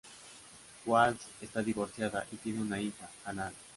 Walsh está divorciado y tiene una hija, Hannah.